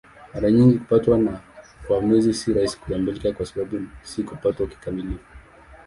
Mara nyingi kupatwa kwa Mwezi si rahisi kutambulika kwa sababu si kupatwa kikamilifu.